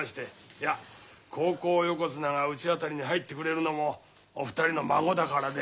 いや高校横綱がうち辺りに入ってくれるのもお二人の孫だからで。